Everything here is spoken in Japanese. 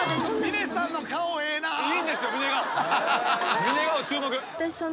峰顔注目。